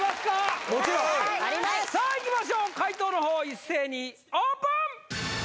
さあいきましょう解答の方一斉にオープン！